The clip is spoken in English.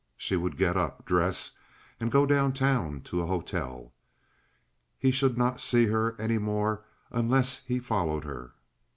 She would get up, dress, and go down town to a hotel. He should not see her any more unless he followed her.